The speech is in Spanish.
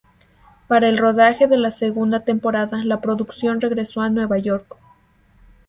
Para el rodaje de la segunda temporada, la producción regresó a Nueva York.